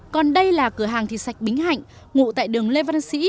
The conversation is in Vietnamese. còn đây là cửa hàng thịt sạch bính hạnh ngụ tại đường lê văn sĩ